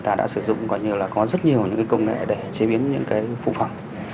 đã lượt về ở sân nhà